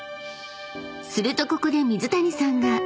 ［するとここで水谷さんが］